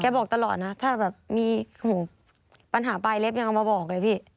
บอกตลอดนะถ้าแบบมีปัญหาปลายเล็บยังเอามาบอกเลยพี่